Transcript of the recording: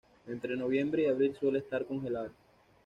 Entre noviembre y abril suele estar congelado.